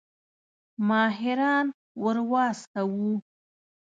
ماهران ورواستوو.